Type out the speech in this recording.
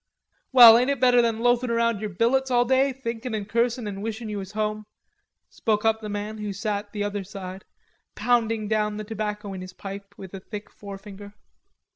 "Well, ain't it better than loafin' around yer billets all day, thinkin' an' cursin' an' wishin' ye was home?" spoke up the man who sat the other side, pounding down the tobacco in his pipe with a thick forefinger.